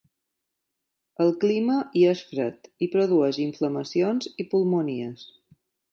El clima hi és fred, i produeix inflamacions i pulmonies.